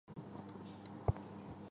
累官贵州巡抚。